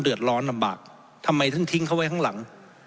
เดือดร้อนลำบากทำไมถึงทิ้งเขาไว้ข้างหลัง